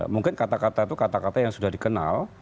mungkin kata kata itu kata kata yang sudah dikenal